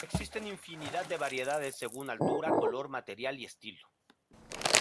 Existen infinidad de variedades según altura, color, material y estilo.